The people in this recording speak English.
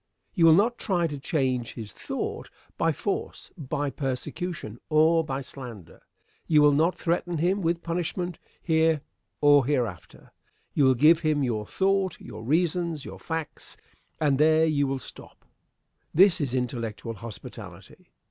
You will not try to change his thought by force, by persecution, or by slander. You will not threaten him with punishment here or hereafter. You will give him your thought, your reasons, your facts; and there you will stop. This is intellectual hospitality.